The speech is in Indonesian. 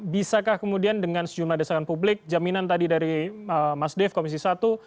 bisakah kemudian dengan sejumlah desakan publik jaminan tadi dari mas dev komisi satu